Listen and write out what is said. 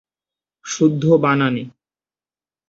শুদ্ধ বানানে।